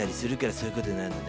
そういうことになるのね。